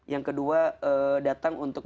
yang kedua datang untuk